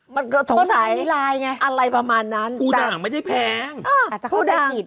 มันก็สงสัยมีลายไงอะไรประมาณนั้นผู้ด่างไม่ได้แพงอ่าผู้ด่าง